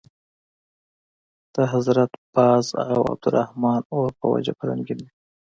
د حضرت باز او عبدالرحمن اور په وجه به رنګین وو.